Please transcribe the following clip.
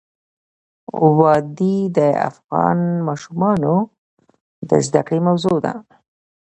وادي د افغان ماشومانو د زده کړې موضوع ده.